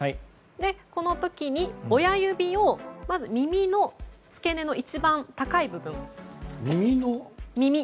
この時に親指を耳の付け根の一番高い部分。